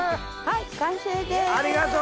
はい完成です。